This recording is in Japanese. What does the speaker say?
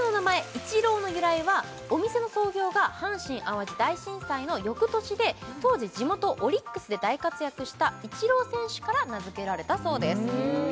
イチローの由来はお店の創業が阪神・淡路大震災の翌年で当時地元オリックスで大活躍したイチロー選手から名付けられたそうです